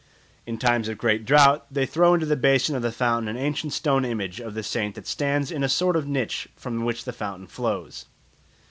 In times of great drought they throw into the basin of the fountain an ancient stone image of the saint that stands in a sort of niche from which the fountain flows.